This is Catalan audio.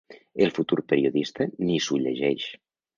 El futur periodista ni s'ho llegeix.